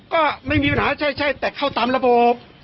ก็ไม่มีปัญหาใช่แต่เข้าตามระบบ